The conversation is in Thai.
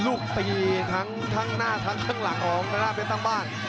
ลูกตีทั้งหน้าทั้งข้างหลังของทางด้านเพชรตั้งบ้าน